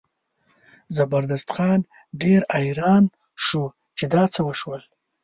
زبردست خان ډېر اریان شو چې دا څه وشول.